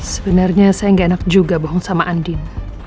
sebenernya saya gak enak juga bohong sama andin